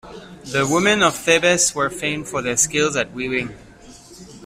The women of Thebes were famed for their skills at weaving.